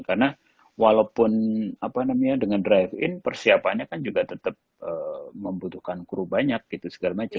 karena walaupun apa namanya dengan drive in persiapannya kan juga tetap membutuhkan kru banyak gitu segala macam